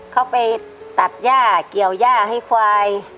เขาไปตัดย่าเกี่ยวย่าให้ควาย